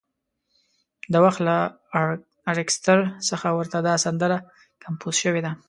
د وخت له ارکستر څخه ورته دا سندره کمپوز شوې ده.